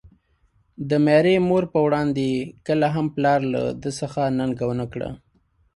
د ميرې مور په وړاندې يې کله هم پلار له ده څخه ننګه ونکړه.